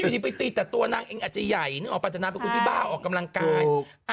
อยู่ดีไปตีแต่ตัวนางเองอาจจะใหญ่นึกออกปัจจนางเป็นคนที่บ้าออกกำลังกาย